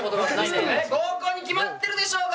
合コンに決まってるでしょうが！